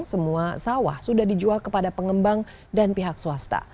semua sawah sudah dijual kepada pengembang dan pihak swasta